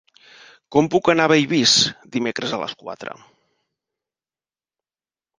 Com puc anar a Bellvís dimecres a les quatre?